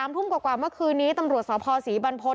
ทุ่มกว่าเมื่อคืนนี้ตำรวจสภศรีบรรพฤษ